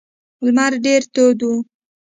لمر ډیر تود و.